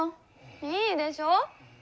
いいでしょ？